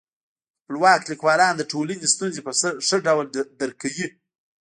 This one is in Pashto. خپلواک لیکوالان د ټولني ستونزي په ښه ډول درک کوي.